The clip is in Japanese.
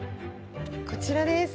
こちらです。